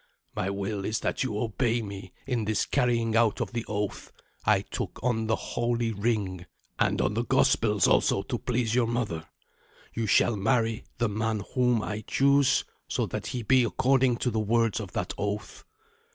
"My will is that you obey me in this carrying out of the oath I took on the holy ring, and on the Gospels also to please your mother. You shall marry the man whom I choose, so that he be according to the words of that oath."